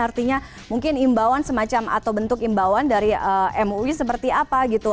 artinya mungkin imbauan semacam atau bentuk imbauan dari mui seperti apa gitu